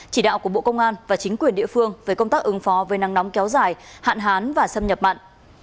chỉ đạo của bộ công an và chính quyền địa phương về công tác ứng phó với nắng nóng kéo dài hạn hán và xâm nhập mặn